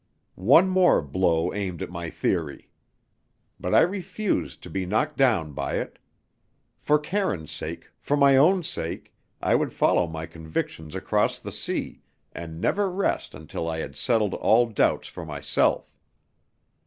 One more blow aimed at my theory! But I refused to be knocked down by it. For Karine's sake, for my own sake, I would follow my convictions across the sea, and never rest until I had settled all doubts for myself.